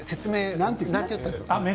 何て言ったの？